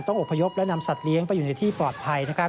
อบพยพและนำสัตว์เลี้ยงไปอยู่ในที่ปลอดภัย